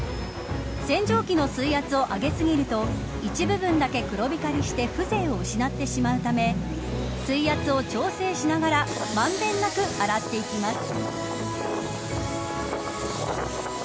洗浄機の水圧を上げすぎると一部分だけ黒光りして風情を失ってしまうため水圧を調整しながら満べんなく洗っていきます。